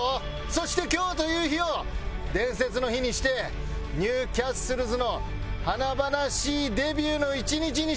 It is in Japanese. そして今日という日を伝説の日にしてＮｅｗＣａｓｔｌｅｓの華々しいデビューの１日にしよう！